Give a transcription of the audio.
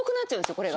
これが。